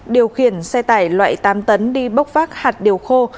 điều khiển xe tải loại tám tấn đi bốc vác hạt điều khô